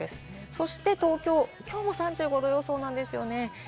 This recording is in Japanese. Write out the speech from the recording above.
そして東京、きょうは３５度予想なんですよね。